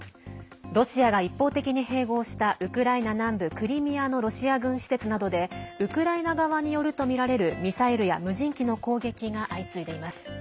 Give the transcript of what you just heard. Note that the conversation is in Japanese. ロシアが一方的に併合したウクライナ南部クリミアのロシア軍施設などでウクライナ側によるとみられるミサイルや無人機の攻撃が相次いでいます。